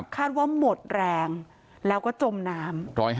คาดว่าหมดแรงแล้วก็จมน้ำ